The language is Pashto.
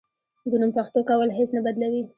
د نوم پښتو کول هیڅ نه بدلوي.